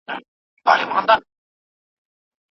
او هسي پکښي لاس و پښه وهي